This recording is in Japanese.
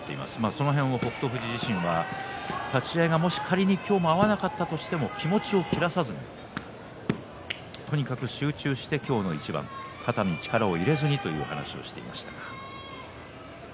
この辺も北勝富士は立ち合いが仮に今日合わなかったとしても気持ちを切らさずにとにかく集中して今日の一番肩に力を入れずにという話をしていました。